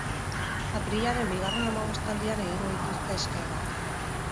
Apirilaren bigarren hamabostaldian egingo dituzte eskaerak.